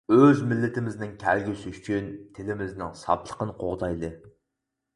ئۆز مىللىتىمىزنىڭ كەلگۈسى ئۈچۈن تىلىمىزنىڭ ساپلىقىنى قوغدايلى!